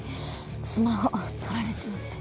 スマホ取られちまって。